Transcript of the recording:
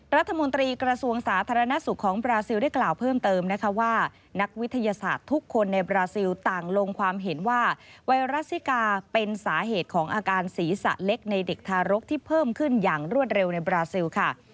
รัฐมนตรีกระทรวงสาธารณสุขของบราซิลได้กล่าวเพิ่มเติมนะคะว่านักวิทยาศาสตร์ทุกคนในบราซิลต่างลงความเห็นว่าไวรัสซิกาเป็นสาเหตุของอาการศีรษะเล็กในเด็กทารกที่เพิ่มขึ้นอย่างรวดเร็วในบราซิลค่ะ